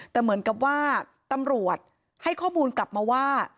แต่เหมือนกับว่าตำรวจให้ข้อมูลกลับมาว่า